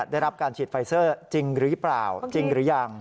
ได้รับการฉีดไฟเซอร์จริงหรือเปล่าจริงหรือยัง